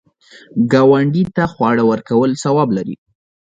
ګاونډي ته خواړه ورکول ثواب لري